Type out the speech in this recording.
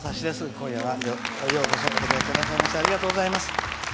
今夜はようこそおいでくださいましてありがとうございます。